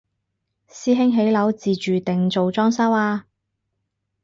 師兄起樓自住定做裝修啊？